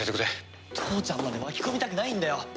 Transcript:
父ちゃんまで巻き込みたくないんだよ！